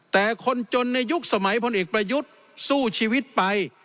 แต่คนจนในยุคสมัยพลเอกประยุทธ์สู้ชีวิตไป